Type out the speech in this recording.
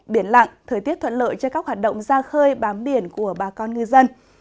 biển lặng thời tiết thuận lợi cho các hoạt động ra khơi bám biển của bà con ngư dân